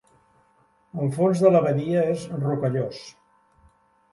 El fons de la badia és rocallós.